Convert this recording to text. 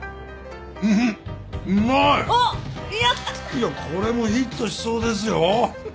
いやこれもヒットしそうですよ。